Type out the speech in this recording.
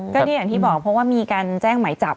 ก็ที่อย่างที่บอกเพราะว่ามีการแจ้งหมายจับ